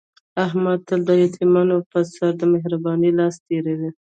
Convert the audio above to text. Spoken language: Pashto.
احمد تل د یتیمانو په سر د مهر بانۍ لاس تېروي.